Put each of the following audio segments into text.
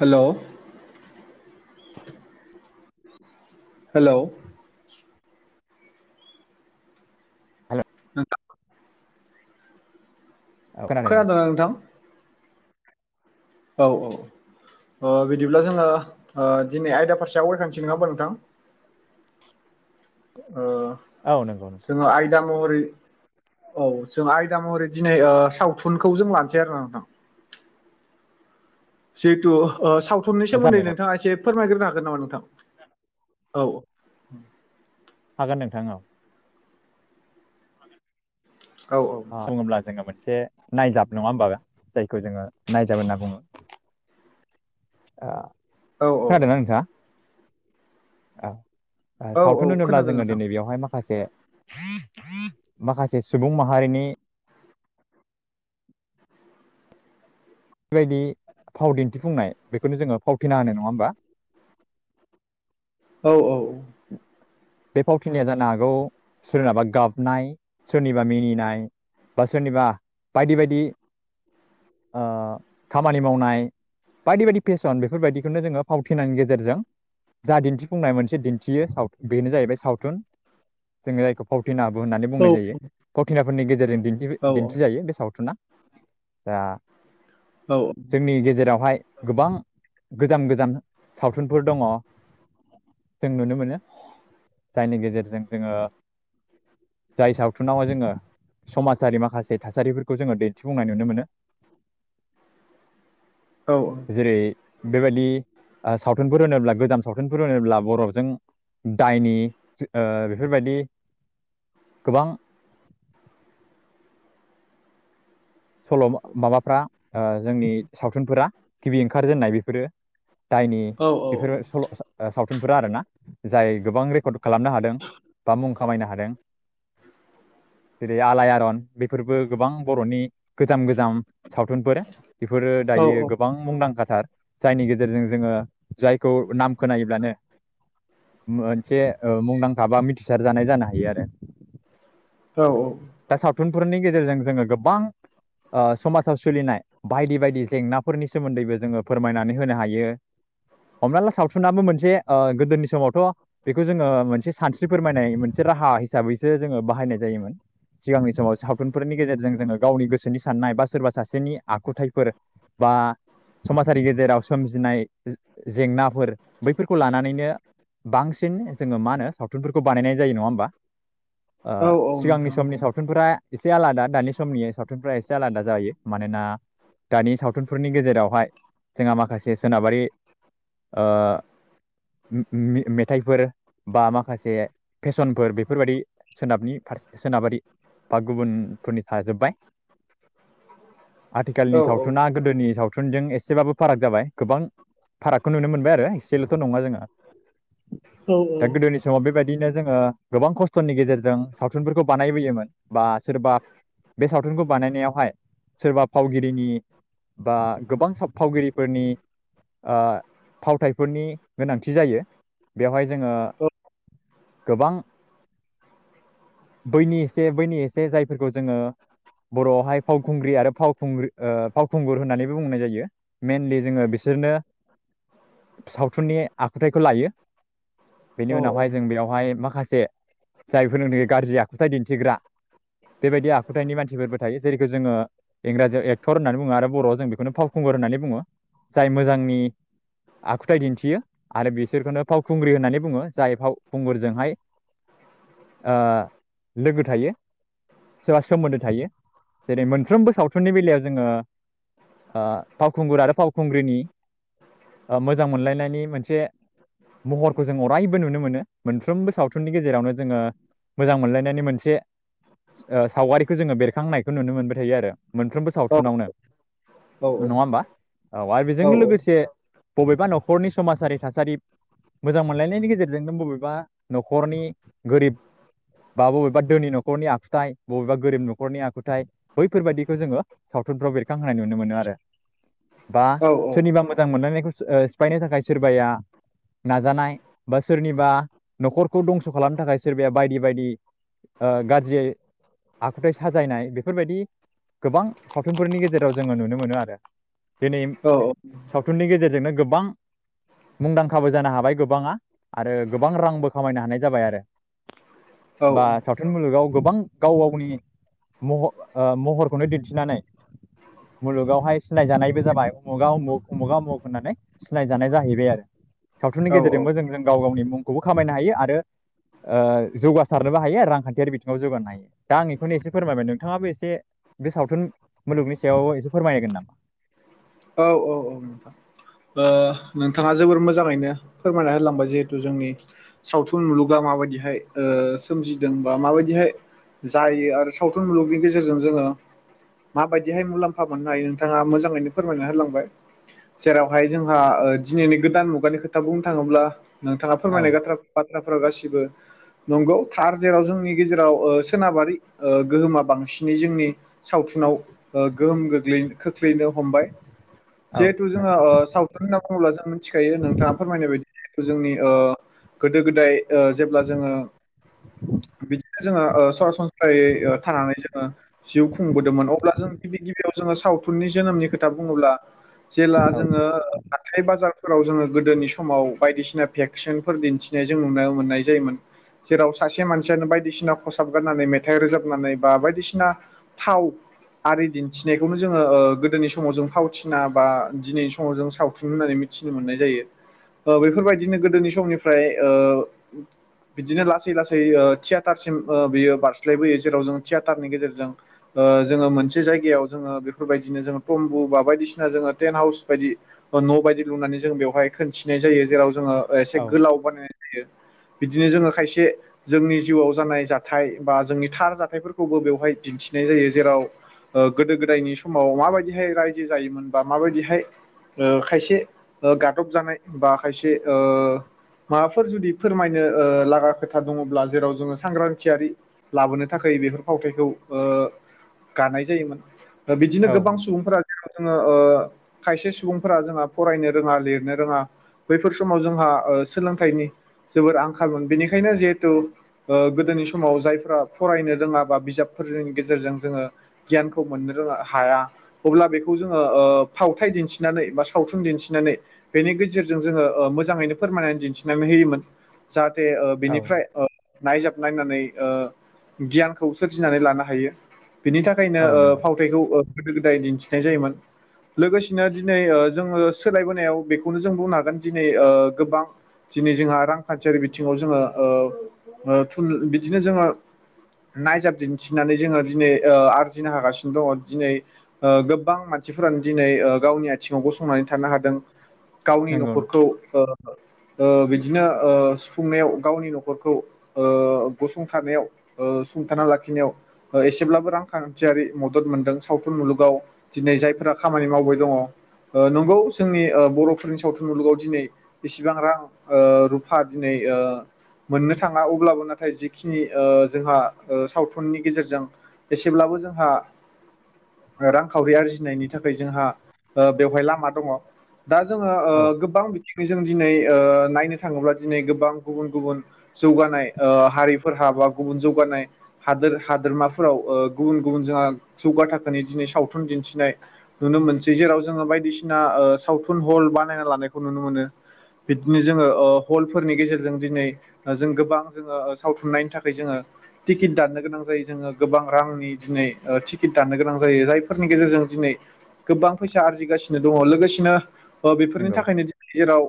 Hello hello हेल' नोंथा औ खोनादों दे। खोनादोंना नोंथां? औ औ अ बिदिब्ला जोङो ओ दिनै आयदा फारसे आवगायखानोसै नङा होमबा नोंथां? ओ औ नंगौ नोंथां जोङो आयदा महरै औ जों आयदा महरै दिनै ओ सावथुनखौ जों लानोसै आरो ना नोंथां? जिहेतु ओ सावथुननि जागोन सोमोन्दै नोंथां नोंथाङा एसे फोरमायग्रोनो हागोन नामा नोंथां औ हागोन नोंथां औ। औ बुङोब्ला जोङो मोन एसे नायजाब नङा होमबा जायखौ जोङो नायजाब होनना बुङो। ओ औ औ खोनादोंना नोंथाङा औ। ओ औ औ सावथुन होनोब्ला खोनादों जोङो नोंथां दिनै बेवहाय माखासे माखासे सुबुं मा हारिनि। बेबायदि फाव दिन्थिफुंनाय बेखौनो जोङो फावथिना होनो नङा होम्बा। औ औ। बे फावथिनाया जानो हागौ सोरनाबा गाबनाय सोरनिबा मिनिनाय। बा सोरनिबा बायदि बायदि ओ खामानि मावनाय। बायदि बायदि पेसन बेफोरबायदिखौनो जोङो फावथिनायनि गेजेरजों जा दिन्थिफुंनाय मोनसे दिन्थियो साव बेनो जाहैबाय सावथुन। जोङो जायखौ फावथिनाबो होन्नानै औ बुंनाय जायो फावथिनाफोरनि गेजेरजों दिन्थिबो औ दिन्थिजायो बे सावथुना। दा औ जोंनि गेजेरावहाय गोबां गोजाम गोजान सावथुनफोर दङ'। जों नुनो मोनो जायनि गेजेरजों जोङो जाय सावथुनाव जोङो समाजारि माखासे थासारिफोरखौ जोङो दिन्थिफुंनाय नुनो मोनो। औ जेरै बेबादि ओ सावथुनफोर होनोब्ला गोजाम सावथुनफोर होनोब्ला बर'जों दायनि ओ बेफोरबादि गोबां सल'मा माबाफ्रा ओ जोंनि सावथुनफोरा गिबि ओंखारजेन्नाय बेफोरो दायनि औ बेफोरो सल' सा ओ सावथुनफोरा आरोना जाय गोबां रेकड खालामनो हादों बा [inaudible] खामायनो हादों जेरै आलाइ आरन बेफोरबो गोबां बर'नि गोजाम गोजाम सावथुनफोर बेफोरो दायो गोबां मुंदांखा। सार जायनि गेजेरजों जोङो जायखौ नाम खोनायोब्लानो मोनसे ओ मुंदांखा बा मिथिसार जानाय जानो हायो आरो। औ दा सावथुनफोरनि गेजेरजों जोङो गोब्बां ओ समाजाव सोलिनाय बायदि बायदि जेंनाफोरनि सोमोन्दैबो जोङो फोरमायनानै होनो हायो। हमना ला सावथुनाबो मोनसे ओ गोदोनि समावथ' बेखौ जोङो मोनसे सानस्रि फोरमायनाय मोनसे राहा हिसाबैसो जोङो बाहायनाय जायोमोन सिगांनि समाव सावथुनफोरनि गेजेरजों जोङो गावनि गोसोनि सान्नाय बा सोरबा सासेनि आखुथायफोर बा समाजारि गेजेराव सोमजिनाय जे-जेंनाफोर बैफोरखौ लानानैनो बांसिन जोङो मा होनो सावथुनफोरखौ बानायनाय जायो नङा होम्बा? ओ औ सिगांनि नोंथां समनि सावथुनफोरा एसे आलादा दानि समनि सावथुनफ्रा एसे आलादा जायो मानोना दानि सावथुनफोरनि गेजेरावहाय जोंहा माखासे सोनाबारि ओ मे-मे-मेथाइफोर बा माखासे फेसनफोर बेफोरबादि सोनाबनि फार सोनाबारि बा गुबुनफोरनि थाजोब्बाय। आथिखालनि औ सावथुना गोदोनि सावथ थुनजों एसेबाबो फाराग जाबाय गोबां फारागखौ नुनो मोनबाय आरो एसेल'थ' नङा जोङो औ दा गोदोनि समाव बेबादिनो जोङो गोबां खस्थ'नि गेजेरजों सावथुनफोरखौ बानायबोयोमोन बा सोरबा बे सावथुनखौ बानायनायावहाय सोरबा फावगिरिनि बा गोबां साब फावगिरिफोरनि ओ फावथायफोरनि गोनांथि जायो बेवहाय जोङो औ गोबां बैनि एसे बैनि एसे जायफोरखौ जोङो बर'आवहाय फावखुंग्रि आरो फावखुंग्रि ओ फावखुंगुर होन्नानैबो बुंनाय जायो मेनलि जोङो ओ बिसोरनो सावथुननि आखुथायखौ लायो। बेनि औ औ उनावहाय जों बेवहाय माखासे जायफोर नो गाज्रि आखुथाय दिन्थिग्रा बेबायदि आ खुथायनि मानसिफोरबो थायो जेरैखौ जोङो इंराजियाव एक्टर होननानै बुङो आरो बर'आव जों बेखौनो फावखुंगुर होननानै बुङो। जाय मोजांनि आखुथाय दिन्थियो आरो बिसोरखौनो फावखुंग्रि होननानै बुङो जाय फावखुंगुरजोंहाय [inaudible] ओ लोगो थायो। सोरबा सोमोन्दो थायो जेरै मोनफ्रोमबो सावथुननि बेलायाव जोङो आ फावखुंगुर आरो फावखुंग्रिनि ओ मोजां मोनलायनायनि मोनसे महरखौ जों अरायबो नुनो मोनो मोनफ्रोमबो सावथुननि गेजेरावनो जोङो मोजां मोनलायनायनि मोनसे ओ सावगारिखौ जोङो बेरखांनायखौ नुनो मोनबाय थायो आरो मोनफ्रोमबो औ सावथुनावनो। औ नङा होमबा औ आरो बेजोंनो लोगोसे बबेबा न'खरनि समाजारि थासारि मोजां मोनलायनायनि गेजेरजोंनो बबेबा न'खरनि गोरिब बा बबेबा दोनि न'खरनि आखुथाय बबेबा गोरिब न'खरनि आखुथाय बैफोरबायाददिखौ जोङो सावथुनफ्राव बेरखांहोनाय नुनो मोनो आरो [inaudible] बा सोरनिबा मोजां मोनलायनायखौ सिफायनो थाखाय सोरबाया नाजानाय बा सोरनिबा न'खरखौ दंस' खालामनो थाखाय सोरबाया बायदि बायदि ओ गाज्रियै आखुथाय साजायनाय बेफोरबायदि गोबां सावथुनफोरनि गेजेराव जोङो नुनो मोनो आरो दिनै औ सावथुननि गेजेरजोंनो गोबां मुंदांखाबो जानो हाबाय गोबाङा आरो गोबां रांबो खामायनो हानाय जाबाय आरो बा सावथुन मुलुगाव गोबां गाव गावनि महर ओ महरखौनो दिन्थिनानै मुलुगावहाय सिनायाय जानायबो जाबाय उमुगा उमुख उमुगा उमुख होननानै सिनायाय जानाय जाहैबाय आरो सावथुननि औ औ गेजेरजोंबो जों जों गाव गावनि मुंखौबो खामायनो हायो आरो ओ जौगासारनोबो हायो आरो रांखान्थियारि बिथिङाव जौगानो हायो दा आं बेखौनो एसे फोरमायबाय नोंथाङाबो एसे बे सावथुन मुलुगनि सायाव एसे फोरमायनगोन नामा औ औ औ नोंथां नोंथाङा जोबोर मोजाङैनो फोरमायना होलांबाय जिहेतु जोंनि सावथुन मुलुगा माबायदिहाय ओ सोमजिदों बा माबायदिहाय जायो आरो सावथुन मुलुगनि गेजेरजों जोङो माबायदिहाय मुलाम्फा मोननो हायो नोंथाङा मोजाङैनो फोरमायना होलांबाय जेरावहाय जों जोंहा दिनैनि गोदान मुगानि खोथा बुंनो थाङोब्ला नोंथाङा औ फोरमायनाय बाथ्राफोराव गासिबो नंगौ थार जेराव जोंनि गेजेराव सोनाबारि गोहोमा बांसिनै जोंनि सावथुनाव ओ गोहोम गोग्लै खोख्लैनो हमबाय औ जिहेथु नंगौ जोङोावथुन ओ ब्ला जों मिथिखायो नोंथाङा फोरमायनाय बायदि जिथु जोंनि ओ गोदो गोदाय ओ जेब्ला जोङो जोङो ओ सरासनस्रायै ओ थानानै जोङो जिउ खुंबोदोंमोन अब्ला जों गिबि गिबियाव जोङो सावथुननि जोनोमनि खोथा बुङोब्ला जेला औ जोङो हाथथाय बाजारफोराव जोङो गोदोनि समाव बायदिसिना भेक्सनफोर दिन्थिनाय जों नुनो मोननाय जायोमोन जेराव सासे मानसियानो बायदिसिना फसाबगारनानै मेथाइ रोजाबनानै बा बायदिसिना फाव आरि दिन्थिनायखौनो जोङो ओ गोदोनि समाव जों फावथिना बा दिनैनि समाव जों साव थुन होननानै मिथिनो मोननाय जायो बेफोरबायदिनो गोदोनि समनिफ्राय ओ बिदिनो लासै लासै ओ थियेटारसिम ओ बियो बारस्लायबोयो जेराव जों थियाेटारनि गेजेरजों ओ जोङो मोनसे जायगायाव जोङो बेफोरबायदिनो जोङो टम्बु बा बायदिसिना जोङो टेन्ट हाउस बायदि न' बायदि लुनानै जों बेवहाय खोनथिनाय जायो जेराव जोङो एसे औ गोलाव बानायनाय जायो बिदिनो जोङो खायसे जोंनि जिउआव जानाय जाथाय बा जोंनि थार जाथायफोरखौबो बेवहाय दिन्थि थिनाय जायो जेराव ओ गोदो गोदायनि समाव माबायदिहाय रायजो जायोमोनबा माबायदिहाय ओ खायसे गादब जानाय बा खायसे ओ माबाफोर जुदि फोरमायनो लागा खोथा दङब्ला जेराव जोङो सांग्रांथियारि लाबोनो थाखाय बेफोर फावथायखौ ओ गानाय जायोमोन बिदिनो औ गोबां सुबुंफोरा जेराव जोङो ओ खायसे सुबुं- फोरा जोंहा फरायनो रोङा लिरनो रोङा बैफोर समाव जोंहा ओ सोलोंथाइनि जोबोर आंखालमोन बेनिखायनो जिहेथु गोदो- नि समाव जायफोरा फरायनो रोङा बा बिजाबफोरजोंनि गेजेरजों जोङो गियानखौ मोननो रोङा हाया अब्ला बेखौ जोङो ओ फावथाय दिन्थि- नानै बा सावथुन दिन्थिनानै बेनि गेजेरजों जोङो ओ मोजाङैनो फोरमायनानै दिन्थिनानै होयोमोन। जाहाथे ओ औ बेनिफ्राय ओ नायजाब नायनानै ओ गियानखौ सोरजिनानै लानो हायो। बिनि थाखायनो औ ओ नंगौ फावथाइखौ ओ गोदो गोदाय दिन्थिनाय जायोमोन। लोगोसेनो दिनै ओ जोङो सोलायबोनायाव बेखौनो जों बुंनो हागोन दिनै ओ गोबां दिनै जोंहा रांखान्थियारि बिथिङाव जोङो ओ ओ थुल बिदिनो जोङो नायजाब दिन्थिनानै जोङो दिनै ओ आरजिनो हागासिनो दङ'। दिनै ओ गोबां मान- सिफोरानो दिनै ओ गावनि आथिङाव गसंनानै थानो हादों। गावनि नंगौ न'खरखौ ओ ओ ओ बिदिनो ओ सुफुंनायाव गावनि नख'रखौ ओ गसंथानायाव ओ सुंथाना लाखिनायाव ओ एसेब्लाबो रांखान्थियारि मदद मोनदों सावथुन मुलुगाव दिनै जायफोरा खामानि मावबाय दङ'। ओ नंगौ जोंनि ओ बर'फोरनि सावथुन मुलुगाव दिनै इसेबां रां ओ रुफा दिनै ओ मोननो थाङा अब्लाबो नाथाय जिखिनि ओ जोंहा ओ सावथुननि गेजेरजों एसेब्लाबो जोंहा रांखावरि आरजिनायनि थाखाय जोंहा ओ बेवहाय लामा दङ' दा जोङो ओ औ गोबां बिथिङै जों दिनै ओ नायनो थाङोब्ला दिनै गोबां गुबुन गुबुन जौगानाय ओ हारिफोरहा बा गुबुन जौगानाय हादोर हादोरमाफोराव ओ गुबुन गुबुन जोंहा जौगा थाखोनि दिनै सावथुन दिन्थि- नाय नुनो मोनसै। जेराव जोङो बायदिसिना ओ सावथुन हल बानायना लानायखौ नुनो मोनो। बिदिनो जोङो ओ हलफोरनि गेजेरजों दिनै जों गोबां जोङो सावथुन नायनो थाखाय जोङो टिकिट दाननो गोनां जायो जोङो गोबां रांनि दिनै ओ टिकेट दाननो गोनां जायो जायफोरनि गेजेरजों दिनै गोबां फैसा आरजिगासिनो दङ'। लोगोसेनो ओ बेफोरनि नंगौ थाखायनो दि जेराव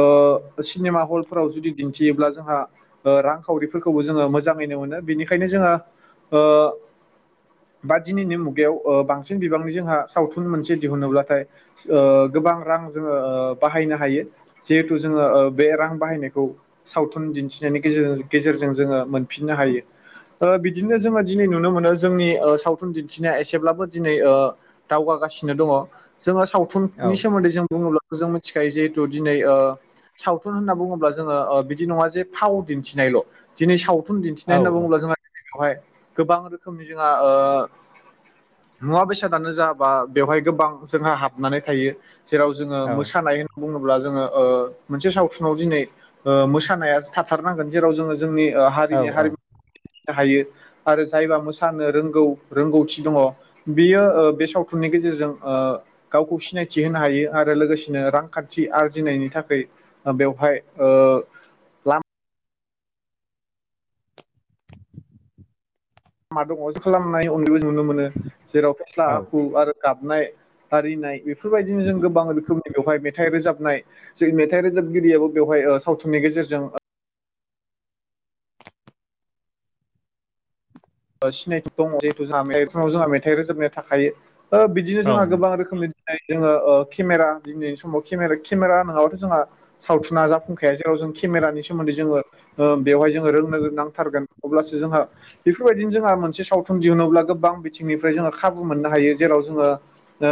ओ सिनेमा हलफोराव जुदि दिन्थियोब्ला जोंहा ओ रां खाउरिफोरखौबो जोङो मोजाङैनो मोनो। बेनिखायनो जो- ङो ओ बा दिनैनि मुगायाव ओ बांसिन बिबांनि जोंहा साव- थुन मोनसे दिहुनोब्लाथाय ओ गोबां रां जोङो बाहायनो हायो। जिहेथु जोङो ओ बे रां बाहायनायखौ सावथुन दिन्थिनायनिे गेजेरजों गेजेरजों जोङो मोनफिननो हायो। ओ बिदिनो जोङो दिनै नुनो मोनो जोंनि ओ सावथुन दिन्थिनाया एसेब्लाबो दिनै ओ दावगागा- सिनो दङ'। जोङो औ सावथुननि सोमोन्दै जों बुङोब्लाबो जों मिथिखायो जिहेथु दिनै ओ सावथुन होनना बुङोब्ला जोङो बिदि नङा जे फाव दिन्थिनायल' दिनै साव- थुन दिन्थिनाय औ होनना बुङोब्ला जोङा बेवहाय गोबां रोखोमनि जोंहा ओ मुवा बेसादानो जा बा बेवहाय गोबां जोंहा हाबनानै थायो जेराव जोङो औ मोसानाय होननानै बुङोब्ला जोङो ओ मोनसे सावथुनाव दिनै ओ मोसानाया थाथारनांगोन जेराव जोङो जोंनि ओ औ हारिनि औ हारिमु दिन्थिनो हायो आरो जायबा मोसानो रोंगौ रोंगौथि दङ' बेयो ओ बे साव- थुननि गेजेरजों ओ गावखौ सिनायथि होनो हायो आरो लोगोसेनो रांखान्थि आरजिनायनि थाखै ओ बेवहाय ओ ला- मा दङ' खालामनाय उनैबो जोङो नुनो मोनो जेराव फेस्ला औ आखु आरो गाबनाय हारिनाय बेफोरबायदिनो जों गोबां रोखोमनि बेवहाय मेथाइ रोजाबनाय, जों मेथाइ रोजाबगिरियाबो बेवहाय ओ सावथुननि गेजेरजों ओ सिनायथि दङ' जिहेथु जोंहा जोंहा मेथाइ रोजाबनाया थाखायो। ओ बिदिनो औ जोंहा गोबां नंगौ रोखोमनि जोङो ओ केमेरा दिनैनि समाव केमेरा केमेरा नङाबाथ' जोंहा सावथुना जाफुंखाया जेराव जों ओ केमेरानि सोमोन्दै जोङो ओ बेवहाय रोंनो ओ नांथारगोन अब्लासो जोंहा बेफोरबायदिनो जोंहा मोनसे सावथुन दिहुनोब्ला गोबां बिथिंनिफ्राय जोङो खाबु मोननो हायो जेराव जोङो। ओ।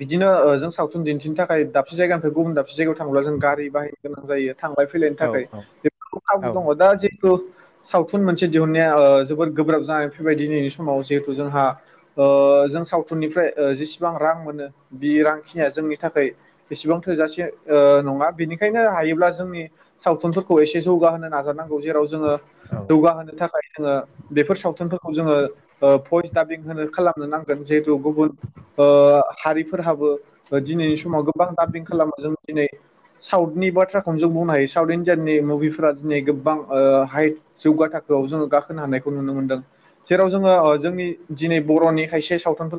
बिदिनो जों सावथुन दिन्थिनो थाखाय दाबसे जायगानिफ्राय गुबुन दाबसे जायगायाव थाङोब्ला जों गारि बाहायनो गोनां जायो। थांलाय फैलायनि औ थाखाय बे खाबु औ दङ दा जेहेथु सावथुन मोनसे। दिहुननाया ओ जोबोर गोब्राब जानाय फैबाय दिनैनि समाव जिहेथु जोंहा ओ जों सावथुननिफ्राय। जेसेबां रां मोनो बे रांखिनिया जोंनि थाखाय बेसेबां थोजासे ओ नङा। बेनिखायनो हायोब्ला जोंनि सावथुनफोरखौ एसे जौगाहोनो नानांगौ जेराव जोङो औ जौगा होनो। थाखाय जोङो बेफोर सावथुनफोरखौ जोङो भइस दाबिं होनो खालामनो नांगोन जिहेथु गुबुन। ओ हारिफोरहाबो दिनैनि समाव गोबां दाबिं खालामो जों दिनै। साउथुनि बाथ्राखौनो जों बुंनो हायो साउथ इण्डियानि मुभिफोरा दिनै गोबां ओ हाइ जौगाथा जोङो गाखोनो हानायखौ नुनो मोनदों। जेराव जोङो जोंनि दिनै बर'नि खायसे सावथुन।